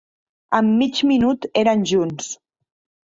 En mig minut eren junts.